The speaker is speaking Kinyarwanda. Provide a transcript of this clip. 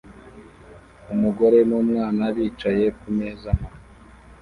Umugore n'umwana bicaye kumeza nto